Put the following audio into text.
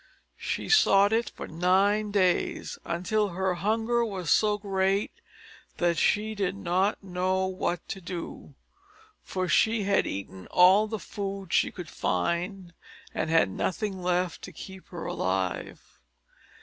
She sought it for nine days, until her hunger was so great that she did not know what to do; for she had eaten all the food she could find, and had nothing left to keep her alive.